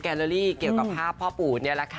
เลอรี่เกี่ยวกับภาพพ่อปู่นี่แหละค่ะ